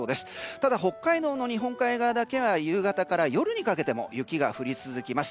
ただ、北海道の日本海側だけは夕方から夜にかけても雪が降り続きます。